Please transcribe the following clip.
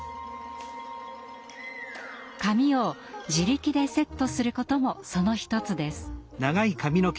髪を自力でセットすることもその一つです。